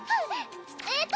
・えっと